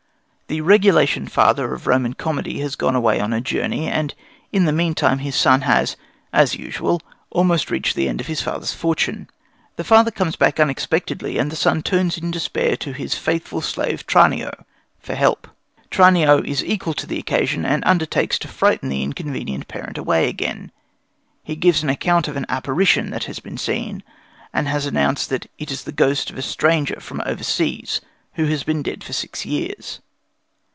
The regulation father of Roman comedy has gone away on a journey, and in the meantime the son has, as usual, almost reached the end of his father's fortune. The father comes back unexpectedly, and the son turns in despair to his faithful slave, Tranio, for help. Tranio is equal to the occasion, and undertakes to frighten the inconvenient parent away again. He gives an account of an apparition that has been seen, and has announced that it is the ghost of a stranger from over seas, who has been dead for six years.